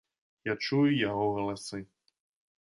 Я чую яго галасы.